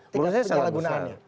menurut saya sangat besar